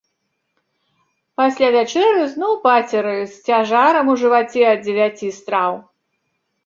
Пасля вячэры зноў пацеры з цяжарам у жываце ад дзевяці страў.